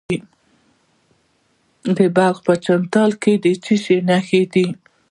د بلخ په چمتال کې د څه شي نښې دي؟